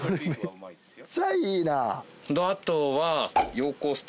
あとは。